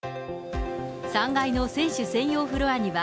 ３階の選手専用フロアには、